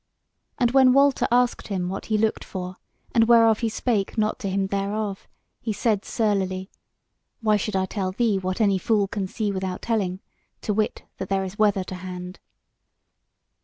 And when Walter asked him what he looked for, and wherefore he spake not to him thereof, he said surlily: "Why should I tell thee what any fool can see without telling, to wit that there is weather to hand?"